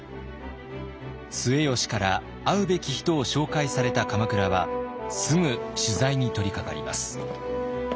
末吉から会うべき人を紹介された鎌倉はすぐ取材に取りかかります。